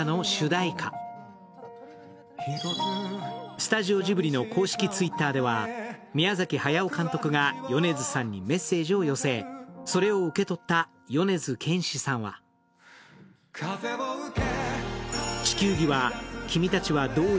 スタジオジブリの公式Ｔｗｉｔｔｅｒでは宮崎駿監督が米津さんにメッセージを寄せ、それを受け取った米津玄師さんはとＳＮＳでコメント。